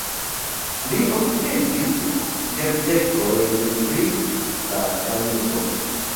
Li okupiĝis jardekojn pri la Danubo.